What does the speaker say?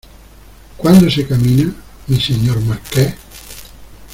¿ cuándo se camina, mi Señor Marqués?